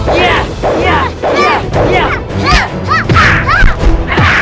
sampai kapan kau masih mau lari dari